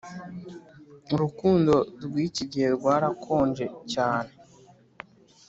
urukundo rwiki igihe rwarakonje cyane